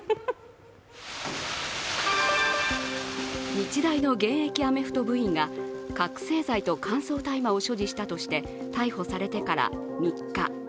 日大のアメフト部員が覚醒剤と乾燥大麻を所持したとして逮捕されてから３日。